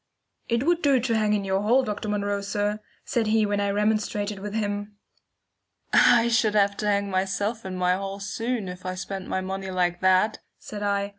"It would do to hang in your hall, Dr. Munro, sir," said he when I remonstrated with him. "I should have to hang myself in my hall soon if I spent my money like that," said I.